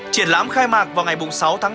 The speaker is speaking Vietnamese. triển lãm khai mạc vào ngày sáu tháng năm